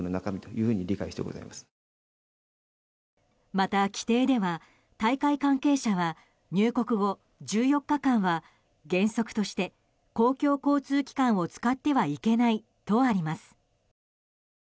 また規定では大会関係者は入国後１４日間は原則として公共交通機関を使ってはいけないとあります。